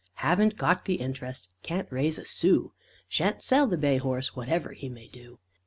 Haven't got the interest, Can't raise a sou; Shan't sell the bay horse, Whatever he may do.